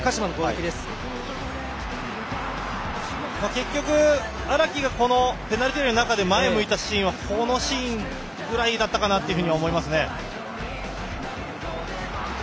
結局、荒木がペナルティーエリアの中で前向いたシーンはこのシーンぐらいだったかと思います。